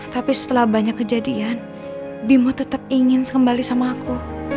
tapi setelah banyak kejadian bimo tetap ingin kembali sama aku